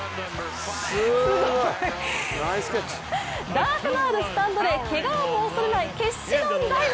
段差のあるスタンドでけがを恐れない決死のダイブ。